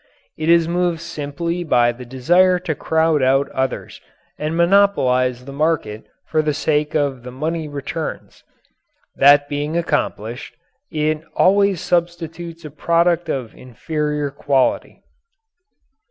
It is moved simply by the desire to crowd out others and monopolize the market for the sake of the money returns. That being accomplished, it always substitutes a product of inferior quality.